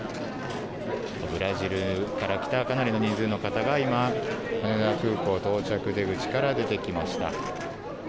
ブラジルから来たかなりの人数の方が羽田空港到着出口から出てきました。